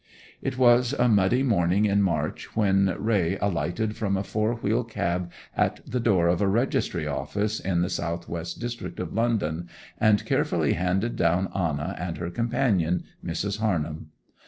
It was a muddy morning in March when Raye alighted from a four wheel cab at the door of a registry office in the S.W. district of London, and carefully handed down Anna and her companion Mrs. Harnham.